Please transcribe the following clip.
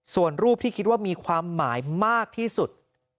ส่วนรูปที่คิดว่ามีความหมายมากที่สุด